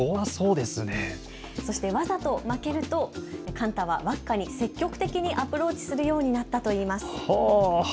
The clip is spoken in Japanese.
そしてわざと負けるとカンタはワッカに積極的にアプローチするようになったといいます。